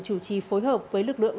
chủ trì phối hợp với lực lượng